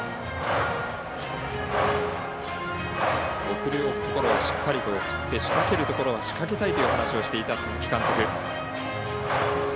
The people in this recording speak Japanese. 送るところはしっかりと送って仕掛けるところは仕掛けたいと話をしていた鈴木監督。